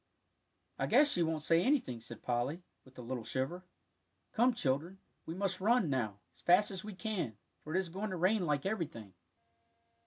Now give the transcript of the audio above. "I guess she won't say anything," said Polly, with a little shiver. "Come, children, we must run, now, as fast as we can, for it is going to rain like everything."